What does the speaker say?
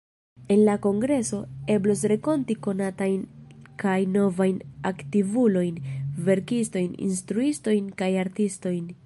En la kongreso, eblos renkonti konatajn kaj novajn aktivulojn, verkistojn, instruistojn, kaj artistojn.